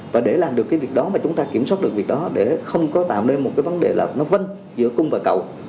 và để làm được cái việc đó mà chúng ta kiểm soát được việc đó để không có tạo nên một cái vấn đề là nó vanh giữa cung và cầu